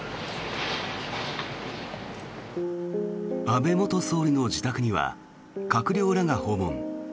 安倍元総理の自宅には閣僚らが訪問。